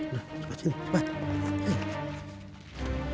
nah coba sini